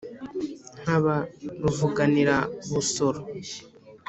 nkaba ruvuganira-busoro